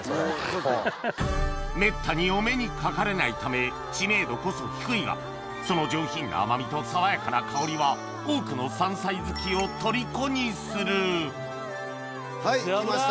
めったにお目にかかれないため知名度こそ低いがその上品な甘みと爽やかな香りは多くの山菜好きを虜にするはいきました。